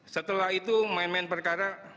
setelah itu main main perkara